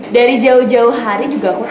terima kasih ya pak